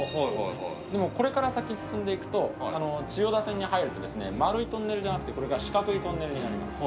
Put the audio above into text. でもこれから先進んでいくと千代田線に入るとですね丸いトンネルじゃなくてこれが四角いトンネルになります。